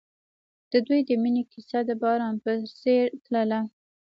د دوی د مینې کیسه د باران په څېر تلله.